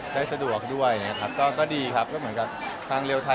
ได้สะดวกด้วยนะครับก็ดีครับก็เหมือนกับทางเรียลไทย